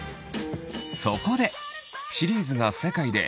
そこで！